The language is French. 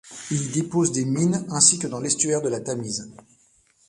Il y dépose des mines ainsi que dans l'estuaire de la Tamise.